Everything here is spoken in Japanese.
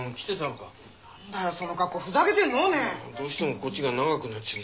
どうしてもこっちが長くなっちゃう。